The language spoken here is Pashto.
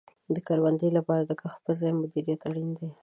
د کروندې لپاره د کښت په ځای مدیریت اړین دی.